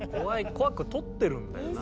怖く撮ってるんだよなあ。